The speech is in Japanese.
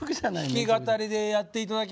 弾き語りでやっていただきまして。